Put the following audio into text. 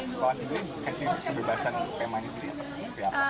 jadi pihak sekolah sendiri kasih kebebasan tema ini di atasnya